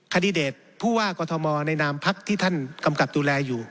คาดิเดตผู้ว่ากอทมในนามพักที่ท่านกำกับดูแลอยู่